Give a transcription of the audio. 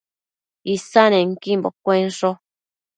Isannequimbo cuensho